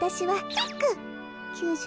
ヒック。